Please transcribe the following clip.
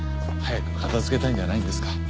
早く片づけたいんじゃないんですか。